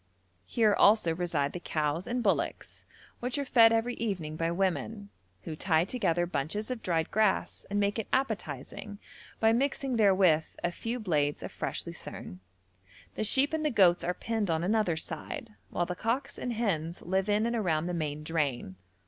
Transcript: Here also reside the cows and bullocks, which are fed every evening by women, who tie together bunches of dried grass and make it appetising by mixing therewith a few blades of fresh lucerne; the sheep and the goats are penned on another side, whilst the cocks and hens live in and around the main drain.